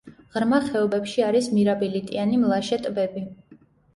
ღრმა ხეობებში არის მირაბილიტიანი მლაშე ტბები.